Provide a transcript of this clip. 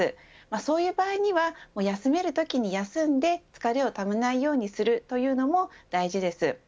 そういう場合には休めるときに休んで疲れをためないようにするというのも大事です。